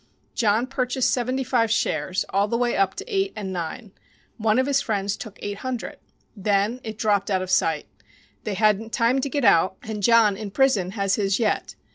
John purchased seventy five shares all the way up to 8 and 9. One of his friends took eight hundred. Then it dropped out of sight. They hadn't time to get out, and John, in prison, has his yet.